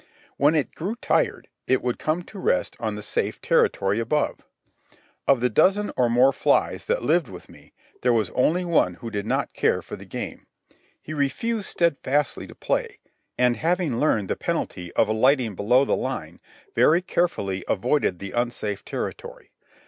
When it grew tired, it would come to rest on the safe territory above. Of the dozen or more flies that lived with me, there was only one who did not care for the game. He refused steadfastly to play, and, having learned the penalty of alighting below the line, very carefully avoided the unsafe territory.